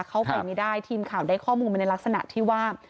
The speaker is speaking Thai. เข้าไปไม่ได้ทีมข่าวได้ข้อมูลมาในลักษณะที่ว่า